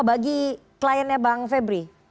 bagi kliennya bang febri